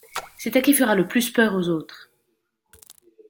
C'est à qui fera le plus peur aux autres.